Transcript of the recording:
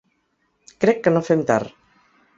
Crec que no fem tard.